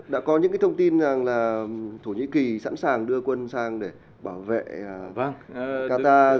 đã có những thông tin rằng là thổ nhĩ kỳ sẵn sàng đưa quân sang để bảo vệ vang